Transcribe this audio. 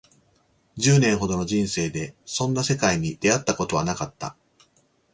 十年ほどの人生でそんな世界に出会ったことはなかった